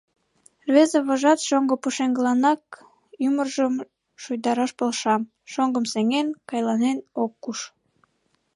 Рвезе вожат шоҥго пушеҥгыланак ӱмыржым шуйдараш полша, шоҥгым сеҥен, кайланен ок куш.